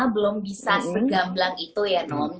belum bisa segamblang itu ya